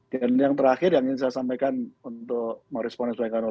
dan yang terakhir yang ingin saya sampaikan untuk meresponnya sebagai kawan kawan